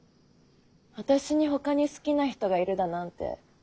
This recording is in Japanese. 私に他に好きな人がいるだなんて